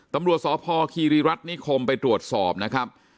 ตำรวจสพคีรีรัฐนิคมไปตรวจสอบนะครับ